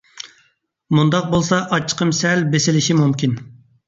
مۇنداق بولسا ئاچچىقىم سەل بېسىلىشى مۇمكىن.